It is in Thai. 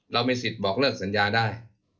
เรามีสิทธิ์บอกเลิกสัญญาได้